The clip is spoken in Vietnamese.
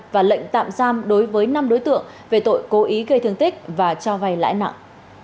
và lệnh tạm giam đối với năm đối tượng về tội cố ý gây thương tích và cho vay lãi nặng